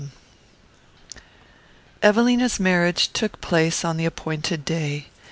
IX Evelina's marriage took place on the appointed day.